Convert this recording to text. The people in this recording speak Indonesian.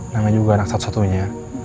namanya juga anak satu satunya